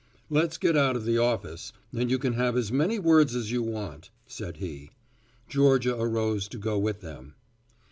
"Let's get out of the office and you can have as many words as you want," said he. Georgia arose to go with them.